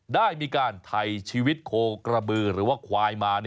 ได้มีการไถ่ชีวิตโคกระบือหรือว่าควายมา